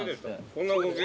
こんな動き？